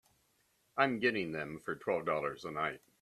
I'm getting them for twelve dollars a night.